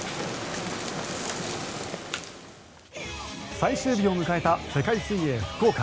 最終日を迎えた世界水泳福岡。